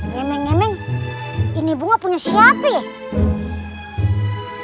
ngemeng ngemeng ini bunga punya siapa ya